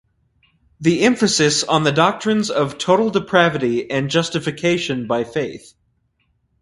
The emphasis on the doctrines of Total Depravity and Justification by faith.